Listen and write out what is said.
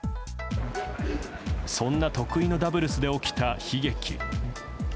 そんな得意のダブルスで起きた悲劇。